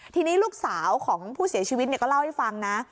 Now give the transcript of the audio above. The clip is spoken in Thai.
ทีนี้ลูกสาวของผู้เสียชีวิตก็เล่าให้ฟังนะ